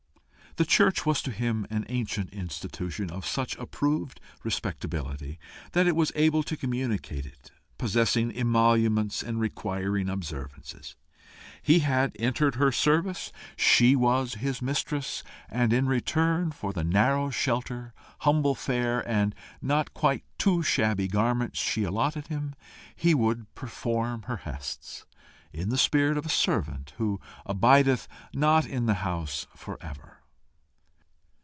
The church was to him an ancient institution of such approved respectability that it was able to communicate it, possessing emoluments, and requiring observances. He had entered her service; she was his mistress, and in return for the narrow shelter, humble fare, and not quite too shabby garments she allotted him, he would perform her hests in the spirit of a servant who abideth not in the house for ever.